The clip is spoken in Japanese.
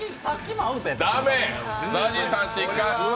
ＺＡＺＹさん、失格。